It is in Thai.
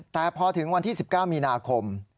แต่พอถึงวันที่๑๙มีนาคม